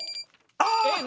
ああ！